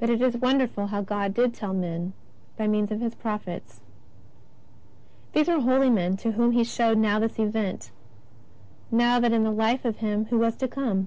But it is wonderful how much God did tell men by means of His prophets. These were holy men to whom He showed now this event, now that in the Life of Him who was to come.